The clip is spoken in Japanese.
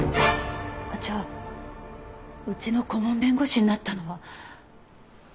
じゃあうちの顧問弁護士になったのは。